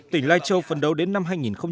tỉnh lai châu phần đầu đến năm hai nghìn hai mươi